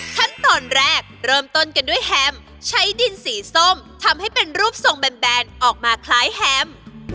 ขั้นตอนแรกเริ่มต้นกันด้วยแฮมใช้ดินสีส้มทำให้เป็นรูปทรงแบนออกมาคล้ายแฮม